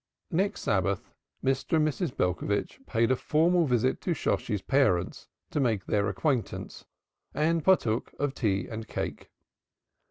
Next Sabbath Mr. and Mrs. Belcovitch paid a formal visit to Shosshi's parents to make their acquaintance, and partook of tea and cake.